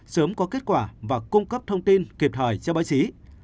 đo kết quả và cung cấp thông tin kịp thời cho báo chí